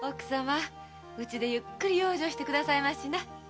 うちでゆっくり養生してくださいな。